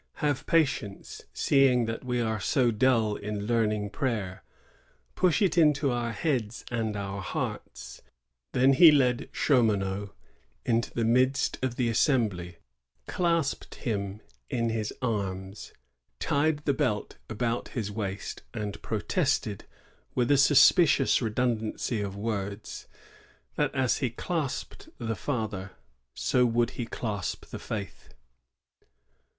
Have patience, seeing that we are so dull in learning prayer; push it into our heads and our hearts." Then he led Chaumonot into the midst of the assembly, clasped him in his 72 THE JESUITS AT ONONDAGA. [1660. anna, tied the belt about his waist, and protested, with a suspicious redundancy of words, that as he clasped the father, so would he clasp the faith.